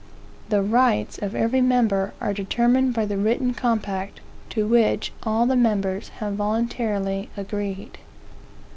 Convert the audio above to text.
The rights of every member are determined by the written compact, to which all the members have voluntarily agreed.